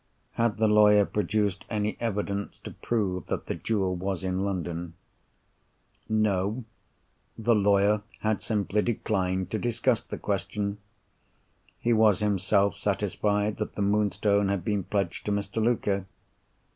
Had the lawyer produced any evidence to prove that the jewel was in London? No, the lawyer had simply declined to discuss the question. He was himself satisfied that the Moonstone had been pledged to Mr. Luker.